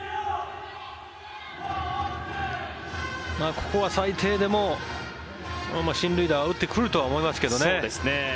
ここは最低でも進塁打を打ってくるとは思いますけどね。